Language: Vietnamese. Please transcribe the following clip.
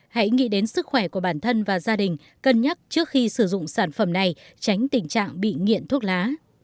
hãy nghĩ đến sức khỏe của bản thân và gia đình cân nhắc trước khi sử dụng sản phẩm này tránh tình trạng bị nghiện thuốc lá